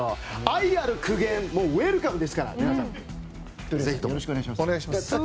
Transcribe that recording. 愛ある苦言、ウェルカムですからよろしくお願いします。